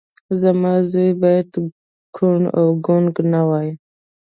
زما زوی بايد کوڼ او ګونګی نه وي.